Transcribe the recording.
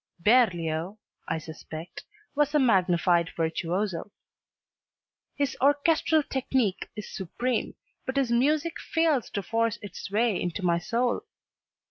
Berlioz, I suspect, was a magnified virtuoso. His orchestral technique is supreme, but his music fails to force its way into my soul.